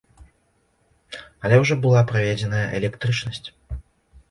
Але ўжо была праведзеная электрычнасць!